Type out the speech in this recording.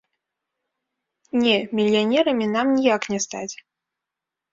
Не, мільянерамі нам ніяк не стаць!